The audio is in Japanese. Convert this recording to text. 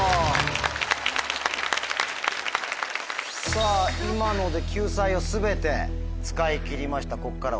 さぁ今ので救済を全て使い切りました。